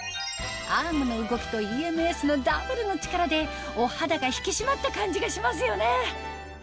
アームの動きとＥＭＳのダブルの力でお肌が引き締まった感じがしますよね